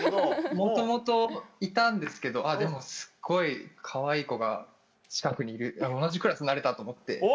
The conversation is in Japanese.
もともといたんですけどでもすっごいかわいい子が近くにいる同じクラスになれたと思って。